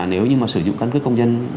nếu như mà sử dụng căn cức công dân